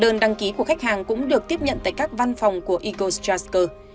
đơn đăng ký của khách hàng cũng được tiếp nhận tại các văn phòng của ecostrasker